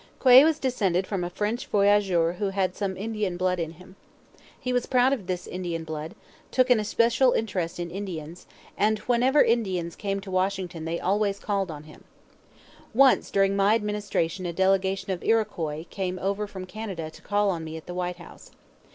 Quay was descended from a French voyageur who had some Indian blood in him. He was proud of this Indian blood, took an especial interest in Indians, and whenever Indians came to Washington they always called on him. Once during my Administration a delegation of Iroquois came over from Canada to call on me at the White House.